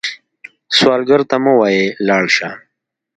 سوالګر ته مه وايئ “لاړ شه”